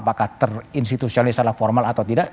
apakah terinstitusionalisalah formal atau tidak